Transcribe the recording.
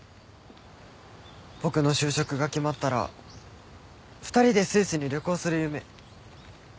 僕の就職が決まったら２人でスイスに旅行する夢。